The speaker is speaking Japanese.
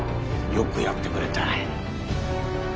よくやってくれたね